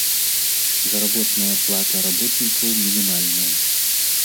Заработная плата работнікаў мінімальная.